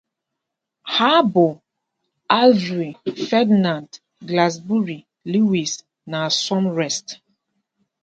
They are Averill, Ferdinand, Glastenbury, Lewis, and Somerset.